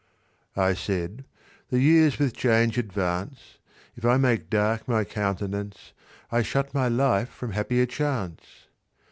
I said, "The years with change advance: If I make dark my countenance, I shut my life from happier chance.